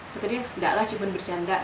kata dia enggak lah cuman bercanda